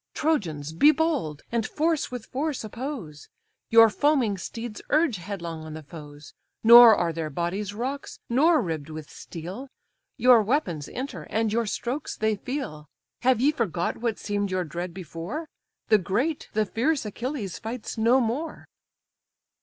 "Trojans, be bold, and force with force oppose; Your foaming steeds urge headlong on the foes! Nor are their bodies rocks, nor ribb'd with steel; Your weapons enter, and your strokes they feel. Have ye forgot what seem'd your dread before? The great, the fierce Achilles fights no more."